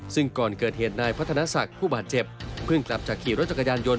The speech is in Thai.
ซึ่งก่อนเกิดเหตุนายพัฒนาศักดิ์ผู้บาดเจ็บเพิ่งกลับจากขี่รถจักรยานยนต